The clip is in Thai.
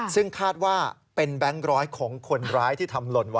ซึ่งคาดว่าเป็นแบงค์ร้อยของคนร้ายที่ทำหล่นไว้